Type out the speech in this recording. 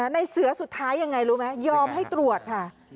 ในเสือสุดท้ายยังไงรู้ไหมยอมให้ตรวจค่ะ